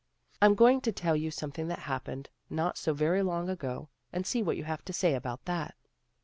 I'm going to tell you something that happened not so very long ago and see what you have to say about that."